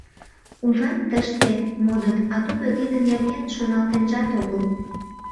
Ужат, тыште модыт, а тудо тидын нерген шоналтенжат огыл!